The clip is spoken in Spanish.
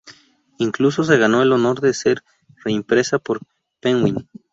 Incluso se ganó el honor de ser reimpresa por Penguin.